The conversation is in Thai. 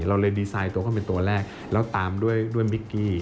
เราเรียนดีไซน์ตัวเขาเป็นตัวแรกแล้วตามด้วยมิกกี้